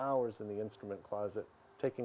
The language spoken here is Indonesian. orang memiliki penyakit